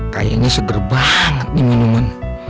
kayaknya seger banget nih minuman